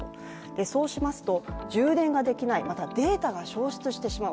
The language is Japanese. そうしますと、充電ができない、またデータが消失してしまう。